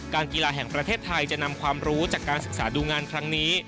กีฬาแห่งประเทศไทยจะนำความรู้จากการศึกษาดูงานครั้งนี้